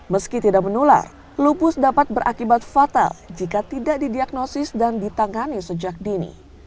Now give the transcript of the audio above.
meski tidak menular lupus dapat berakibat fatal jika tidak didiagnosis dan ditangani sejak dini